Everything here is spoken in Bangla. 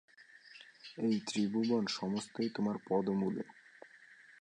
এই ত্রিভুবন সমস্তই তোমার পাদমূলে।